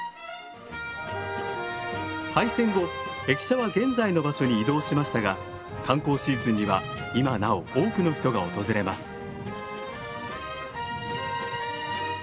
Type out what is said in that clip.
廃線後駅舎は現在の場所に移動しましたが観光シーズンには今なお多くの人が訪れます。